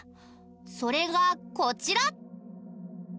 それがこちら！